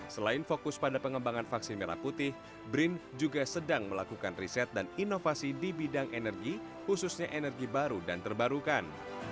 selain fokus pada pengembangan vaksin merah putih brin juga sedang melakukan riset dan inovasi di bidang energi khususnya energi baru dan terbarukan